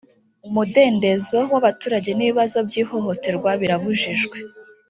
umudendezo w ‘abaturage n’ibibazo by ‘ihohoterwa birabujijwe.